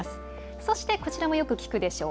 そして、こちらもよく聞くでしょう。